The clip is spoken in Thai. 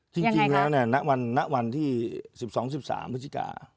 จริงแล้วณวันที่๑๒๑๓พฤศจิกา